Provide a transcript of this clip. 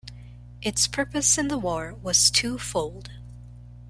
Its purpose in the war was twofold.